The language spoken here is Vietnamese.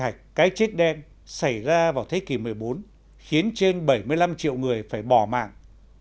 hạch cái chết đen xảy ra vào thế kỷ một mươi bốn khiến trên bảy mươi năm triệu người phải bỏ mạng